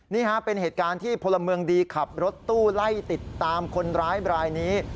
นี่ฮะเป็นเหตุการณ์ที่พลเมืองดีขับรถตู้ไล่ติดตามคนร้ายบรายนี้